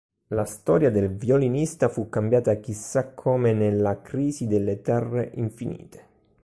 La storia del Violinista fu cambiata chissà come nella "Crisi sulle Terre Infinite".